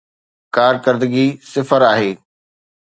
ڪارڪردگي صفر آهي.